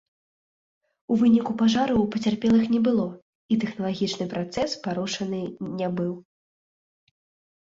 У выніку пажару пацярпелых не было і тэхналагічны працэс парушаны не быў.